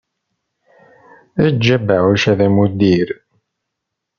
Eǧǧ abeɛɛuc-a d amuddir.